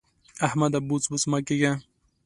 احمده! بوڅ بوڅ مه کېږه.